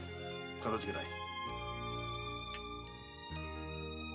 かたじけない。